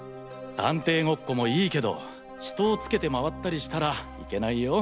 探偵ごっこもいいけど人をつけてまわったりしたらいけないよ。